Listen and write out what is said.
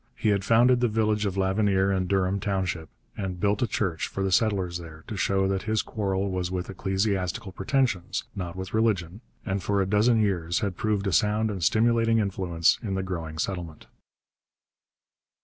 He had founded the village of L'Avenir in Durham township, had built a church for the settlers there to show that his quarrel was with ecclesiastical pretensions, not with religion, and for a dozen years had proved a sound and stimulating influence in the growing settlement.